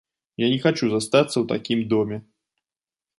Я не хачу застацца ў такім доме.